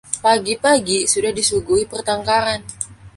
Pagi-pagi sudah disuguhi pertengkaran.